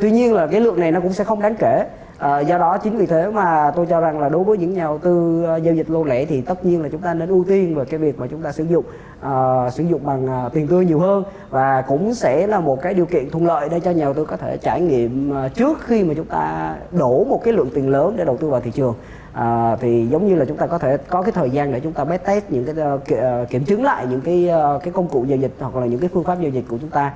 tuy nhiên là cái lượng này nó cũng sẽ không đáng kể do đó chính vì thế mà tôi cho rằng là đối với những nhà đầu tư giao dịch lô lễ thì tất nhiên là chúng ta nên ưu tiên về cái việc mà chúng ta sử dụng sử dụng bằng tiền tươi nhiều hơn và cũng sẽ là một cái điều kiện thuận lợi để cho nhà đầu tư có thể trải nghiệm trước khi mà chúng ta đổ một cái lượng tiền lớn để đầu tư vào thị trường thì giống như là chúng ta có thể có cái thời gian để chúng ta bét test những cái kiểm chứng lại những cái công cụ giao dịch hoặc là những cái phương pháp giao dịch của chúng ta